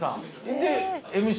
でＭＣ。